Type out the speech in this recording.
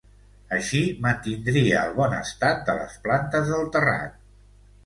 Així mantindria el bon estat de les plantes del terrat.